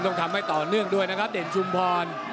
ต้องทำให้ต่อเนื่องด้วยนะครับเด่นชุมพร